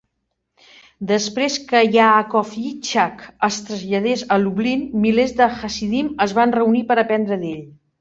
Després que Yaakov Yitzchak es traslladés a Lublin, milers de hasidim es van reunir per aprendre d'ell.